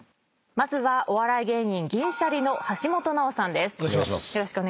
まずはお笑い芸人銀シャリの橋本直さんです。